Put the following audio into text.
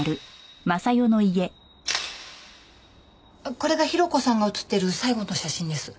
これが広子さんが写ってる最後の写真です。